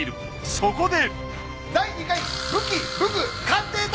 そこで！